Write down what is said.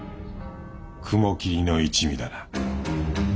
雲霧の一味だな？